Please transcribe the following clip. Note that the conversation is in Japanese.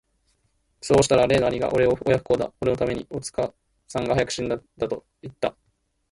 さうしたら例の兄がおれを親不孝だ、おれの為めに、おつかさんが早く死んだんだと云つた。